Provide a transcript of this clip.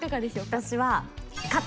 私は。